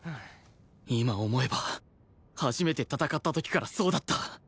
今思えば初めて戦った時からそうだった